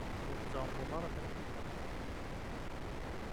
Ur tettɛumud ara tameddit-a.